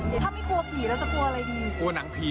ถ้าไม่กลัวผีแล้วจะกลัวอะไรดี